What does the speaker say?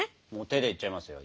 手でいっちゃいますよ。